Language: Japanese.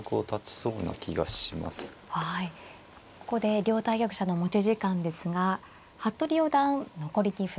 ここで両対局者の持ち時間ですが服部四段残り２分